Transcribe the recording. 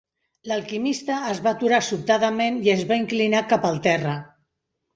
L'alquimista es va aturar sobtadament i es va inclinar cap al terra.